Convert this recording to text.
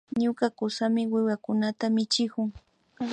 Ñuka kusami wiwakunata michikun